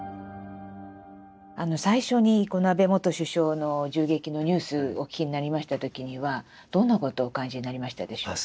最初にこの安倍元首相の銃撃のニュースをお聞きになりました時にはどんなことをお感じになりましたでしょう？